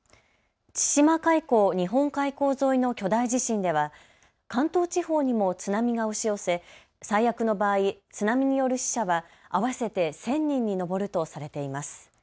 千島海溝・日本海溝沿いの巨大地震では関東地方にも津波が押し寄せ最悪の場合、津波による死者は合わせて１０００人に上るとされています。